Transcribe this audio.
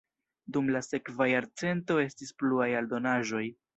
Dum la sekva jarcento estis pluaj aldonaĵoj.